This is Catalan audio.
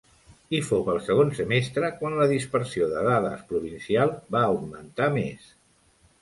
I fou al segon semestre quan la dispersió de dades provincial va augmentar més.